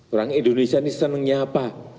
orang indonesia ini senangnya apa